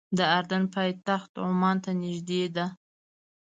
د اردن پایتخت عمان ته نږدې ده.